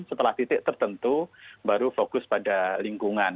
setelah titik tertentu baru fokus pada lingkungan